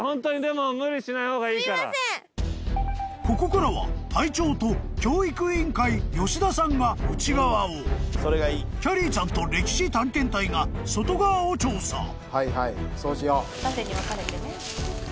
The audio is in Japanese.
［ここからは隊長と教育委員会吉田さんが内側をきゃりーちゃんと歴史探検隊が外側を調査］